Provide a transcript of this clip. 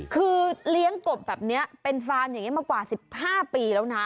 คือเลี้ยงกบแบบนี้เป็นฟาร์มอย่างนี้มากว่า๑๕ปีแล้วนะ